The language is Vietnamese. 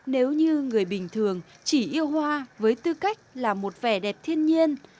nếu như người bình thường chỉ yêu hoa với tư cách là một vẻ đẹp thiên nhiên